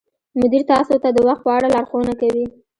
مدیر تاسو ته د وخت په اړه لارښوونه کوي.